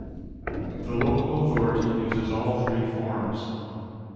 The local authority uses all three forms.